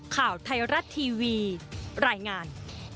ข่าวไทยรัฐทีวีรายงาน